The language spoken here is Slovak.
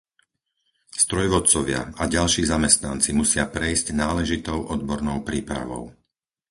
Strojvodcovia a ďalší zamestnanci musia prejsť náležitou odbornou prípravou.